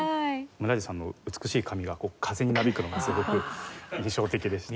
村治さんの美しい髪が風になびくのがすごく印象的でした。